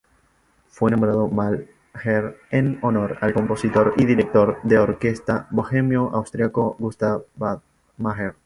Fue nombrado Mahler en honor al compositor y director de orquesta bohemio-austríaco Gustav Mahler.